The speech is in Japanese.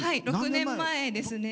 ６年前ですね。